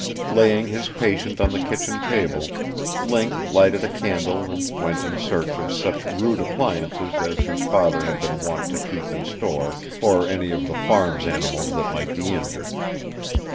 Laying his patient on the kitchen table, Link lighted a candle and went in search of such rude appliances as his father had been wont to keep in store for any of the farm's animals that might be injured.